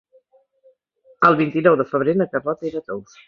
El vint-i-nou de febrer na Carlota irà a Tous.